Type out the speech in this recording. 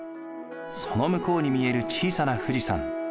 その向こうに見える小さな富士山。